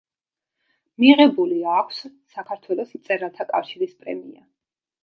მიღებული აქვს საქართველოს მწერალთა კავშირის პრემია.